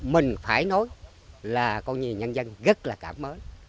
mình phải nói là con nhìn nhân dân rất là cảm ơn